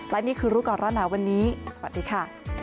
และนี่คือรู้ก่อนร้อนหนาวันนี้สวัสดีค่ะ